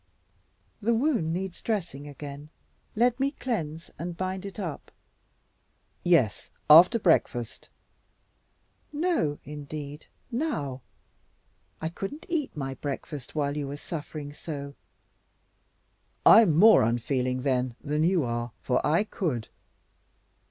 "The wound needs dressing again. Let me cleanse and bind it up." "Yes, after breakfast." "No, indeed; now. I couldn't eat my breakfast while you were suffering so." "I'm more unfeeling then than you are, for I could."